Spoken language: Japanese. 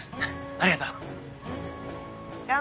ありがとう。